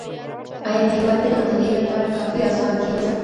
آيا په هېواد کي د مطالعې لپاره کافي اسانتياوې سته؟